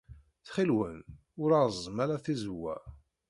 Ttxil-wen, ur reẓẓem ara tizewwa.